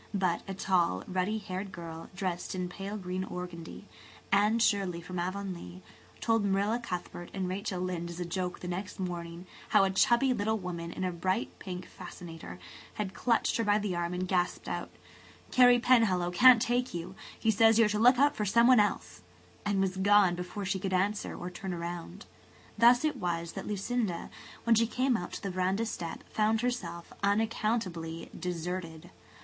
But a tall, ruddy haired girl, dressed in pale green organdy–Anne Shirley from Avonlea–told Marilla Cuthbert and Rachel Lynde as a joke the next morning how a chubby little woman in a bright pink fascinator had clutched her by the arm, and gasped out: "Carey Penhallow can't take you–he says you're to look out for someone else," and was gone before she could answer or turn around. [Page 148] Thus it was that Lucinda, when she came out to the veranda step, found herself unaccountably deserted.